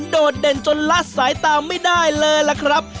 โดดเด่นจนละสายตาไม่ได้เลยล่ะครับ